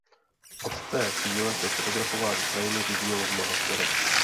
Od té chvíle se fotografování krajiny vyvíjelo v mnoha směrech.